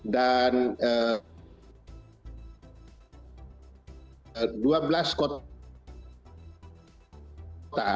dan dua belas kota